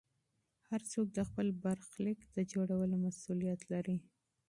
هر څوک د خپل برخلیک د جوړولو مسوولیت لري.